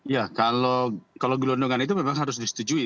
ya kalau gelondongan itu memang harus disetujui